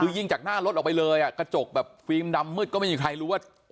คือยิงจากหน้ารถออกไปเลยอ่ะกระจกแบบฟิล์มดำมืดก็ไม่มีใครรู้ว่า